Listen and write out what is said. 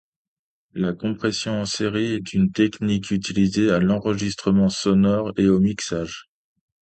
La compression en série est une technique utilisée à l'enregistrement sonore et au mixage.